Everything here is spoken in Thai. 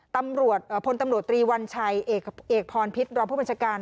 ทศฝตรีวัญชัยเอกพพิษรอบผู้บรรชกร